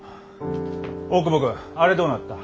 大窪君あれどうなった？